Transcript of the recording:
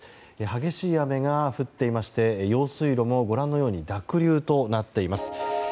激しい雨が降っていまして用水路も濁流となっています。